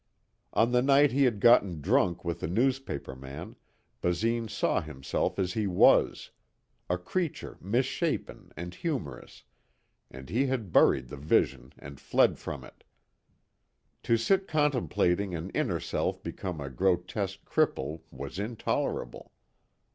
On the night he had gotten drunk with the newspaperman, Basine saw himself as he was a creature misshapen and humorous and he had buried the vision and fled from it. To sit contemplating an inner self become a grotesque cripple was intolerable.